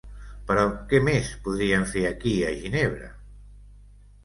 Però què més podrien fer aquí a Ginebra?